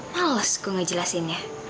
males gue ngejelasinnya